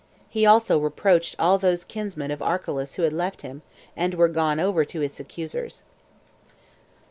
He also reproached all those kinsmen of Archelaus who had left him, and were gone over to his accusers.